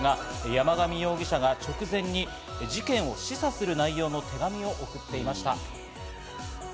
山上容疑者が直前に事件を示唆する内容の手紙を送っていました。